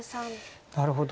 なるほど。